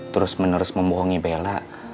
terus menerus membohongi bella